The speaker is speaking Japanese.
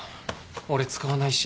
俺使わないし。